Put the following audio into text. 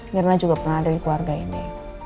mirna juga pernah ada di keluarga ini